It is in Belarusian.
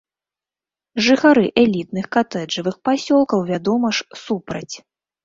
Жыхары элітных катэджавых пасёлкаў, вядома ж, супраць.